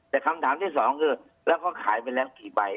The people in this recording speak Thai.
แต่คำถามที่สองคือแล้วเขาขายไปแล้วกี่ใบ